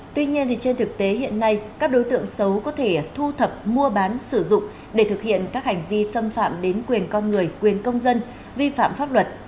tuy nhiên trên thực tế hiện nay các đối tượng xấu có thể thu thập mua bán sử dụng để thực hiện các hành vi xâm phạm đến quyền con người quyền công dân vi phạm pháp luật